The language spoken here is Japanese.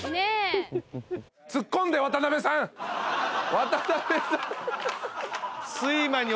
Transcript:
渡辺さん。